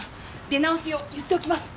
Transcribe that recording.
出直すよう言っておきます。